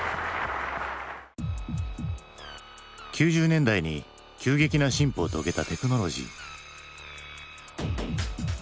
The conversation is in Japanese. ９０年代に急激な進歩を遂げたテクノロジー。